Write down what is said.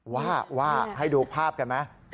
ว่าว่าให้ดูภาพกันมั้ย